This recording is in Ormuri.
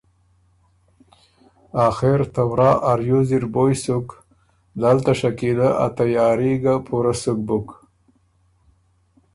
آخر ته ورا ا ریوز اِر بویٛ سُک، دل ته شکیلۀ ا تیاري ګه پُورۀ سُک بُک